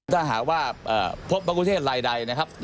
ถ้าหากว่าพบประกุณเทศไร่นะครับ